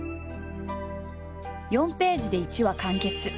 ４ページで一話完結。